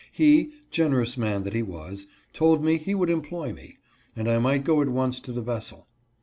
He, generous man that he was, told me he would employ me, and I might go at once to the vessel.